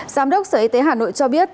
giám đốc sở y tế hà nội cho biết